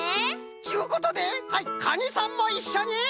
ちゅうことではいカニさんもいっしょに。